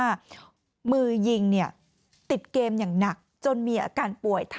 ฟังเสียงคุณแม่และก็น้องที่เสียชีวิตค่ะ